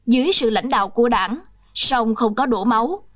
dưới sự lãnh đạo của đảng song không có đổ máu